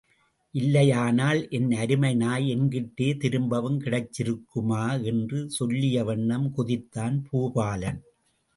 இல்லையானால் என் அருமை நாய் என்கிட்டே திரும்பவும் கிடைச்சிருக்குமா? என்று சொல்லிய வண்ணம் குதித்தான் பூபாலன்.